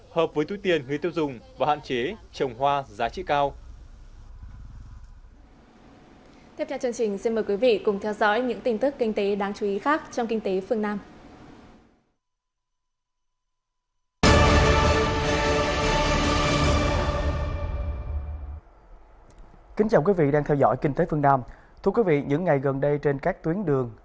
hợp với túi tiền người tiêu dùng và hạn chế trồng hoa giá trị cao